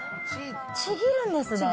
ちぎるんですね。